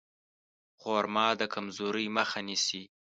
خرما د کمزورۍ مخه نیسي.